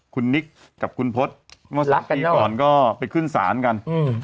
คุณนิกกับคุณพลกว่าสักวันไปขึ้นศาลกัน